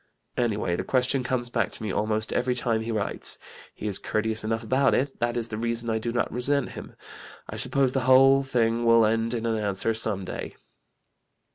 "Anyway the question comes back to me almost every time he writes. He is courteous enough about it that is the reason I do not resent him. I suppose the whole thing will end in an answer some day."